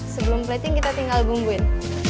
sebelum plating kita tinggal bumbuin